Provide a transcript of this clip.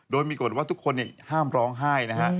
โดยมีกฎว่าทุกคนห้ามร้องไห้นะฮะ